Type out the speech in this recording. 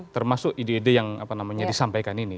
termasuk ide ide yang apa namanya disampaikan ini